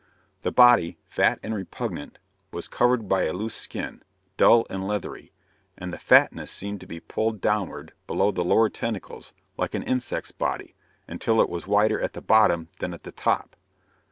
The body, fat and repugnant, was covered by a loose skin, dull and leathery, and the fatness seemed to be pulled downward below the lower tentacles like an insect's body, until it was wider at the bottom than at the top.